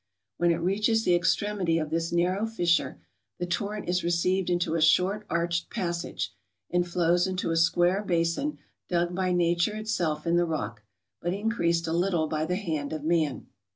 When it reaches the extremity of this narrow fissure, the torrent is received into a short arched passage, and flows into a square basin dug by nature itself in the rock, but increased a little by the hand of man.